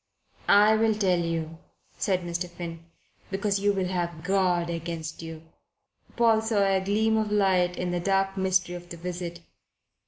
"I will tell you," said Mr. Finn. "Because you will have God against you." Paul saw a gleam of light in the dark mystery of the visit.